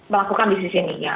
melakukan bisnis ini ya